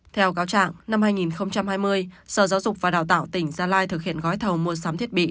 theo cáo trạng năm hai nghìn hai mươi sở giáo dục và đào tạo tỉnh gia lai thực hiện gói thầu mua sắm thiết bị